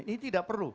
ini tidak perlu